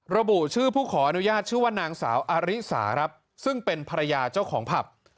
ระบุชื่อผู้ขออนุญาตชื่อว่านางสาวอาริสาครับซึ่งเป็นภรรยาเจ้าของผับ